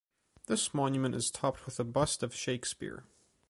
This monument is topped with a bust of Shakespeare.